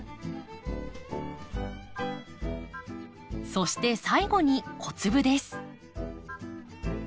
そして最後に小粒です。